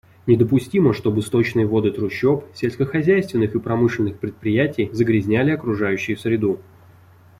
Недопустимо, чтобы сточные воды трущоб, сельскохозяйственных и промышленных предприятий загрязняли окружающую среду.